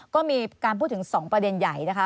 ก็มีการพูดถึง๒ประเด็นใหญ่นะคะ